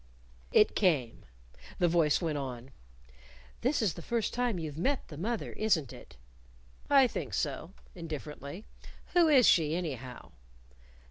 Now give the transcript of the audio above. It came. The voice went on: "This is the first time you've met the mother, isn't it?" "I think so," indifferently. "Who is she, anyhow?"